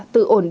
từ ổn định dùm